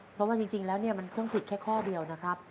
เพราะว่าจริงแล้วเนี่ยมันเพิ่งผิดแค่ข้อเดียวนะครับ